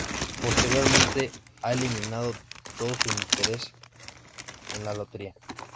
Posteriormente ha eliminado todo sus intereses en la lotería.